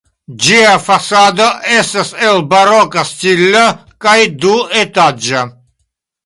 Ĝia fasado estas el baroka stilo kaj duetaĝa.